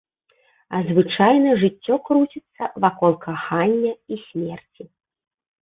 А звычайна жыццё круціцца вакол кахання і смерці.